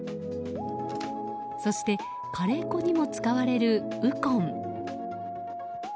そしてカレー粉にも使われるウコン。